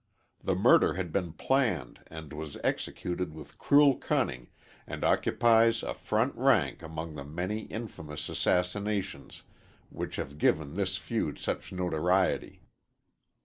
The murder had been planned and was executed with cruel cunning and occupies a front rank among the many infamous assassinations, which have given this feud such notoriety.